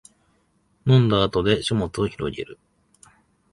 飲んだ後で書物をひろげる